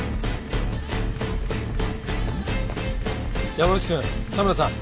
山内君田村さん